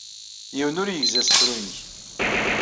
Yiwen ur yegzi asefru-nnek.